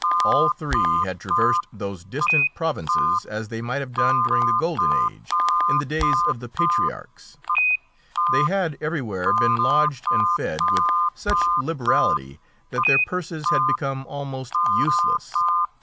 All three had traversed those distant provinces as they might have done during the Golden Age, in the days of the patriarchs. They had everywhere been lodged and fed with such liberality that their purses had become almost useless.